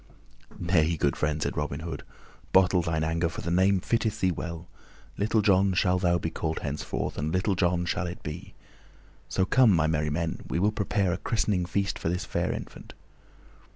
"Nay, good friend," said Robin Hood, "bottle thine anger, for the name fitteth thee well. Little John shall thou be called henceforth, and Little John shall it be. So come, my merry men, we will prepare a christening feast for this fair infant."